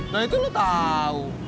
nah itu lo tau